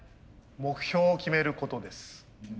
目標を決めることです。